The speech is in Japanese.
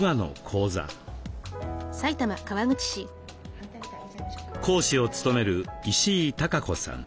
講師を務める石井及子さん。